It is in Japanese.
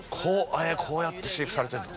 こうやって飼育されてるんだ。